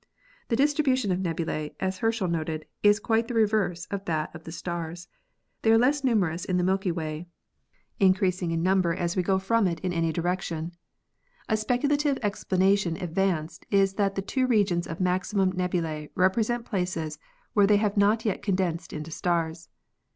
The distribution of nebulae, as Herschel noted, is quite the reverse of that of the stars. They are less numerous in the Milky Way, increasing in number as we go from 302 ASTRONOMY it in any direction. A speculative explanation advanced is that the two regions of maximum nebulae represent places where they have not yet condensed into stars.